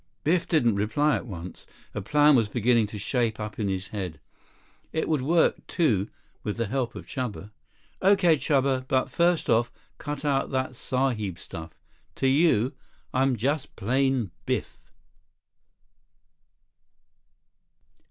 Biff didn't reply at once. A plan was beginning to shape up in his head. It would work, too, with the help of Chuba. "Okay, Chuba. But first off—cut out that sahib stuff. To you, I'm just plain Biff."